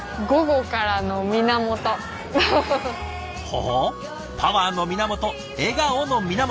ほうパワーの源笑顔の源。